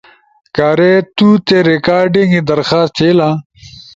کارے تو تے ریکارڈنگ ئی درخواست تھئیلا،